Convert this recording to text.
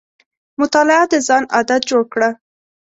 مطالعه د ځان عادت جوړ کړه.